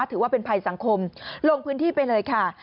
ถือว่าเป็นภัยสังคมลงพื้นที่ไปเลยค่ะ